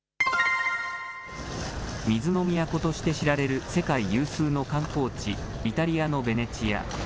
水の都として知られる世界有数の観光地、イタリアのベネチア。